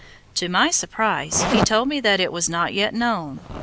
To my surprise, he told me that it was not yet known.